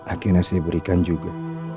akhirnya saya berikan juga